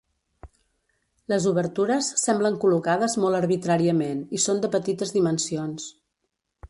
Les obertures semblen col·locades molt arbitràriament i són de petites dimensions.